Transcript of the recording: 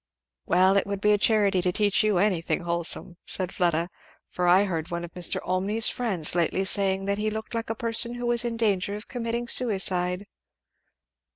"Well, it would be a charity to teach you anything wholesome," said Fleda, "for I heard one of Mr. Olmney's friends lately saying that he looked like a person who was in danger of committing suicide."